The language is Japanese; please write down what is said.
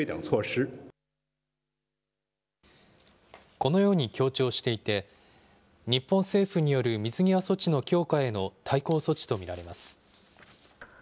このように強調していて、日本政府による水際措置の強化への対抗措置と見られます。